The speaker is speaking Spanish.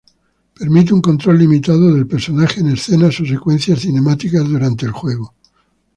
Permite un control limitado del personaje en escenas o secuencias cinemáticas durante el juego.